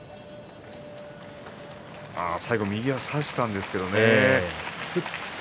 最後、右を差したんですけどね。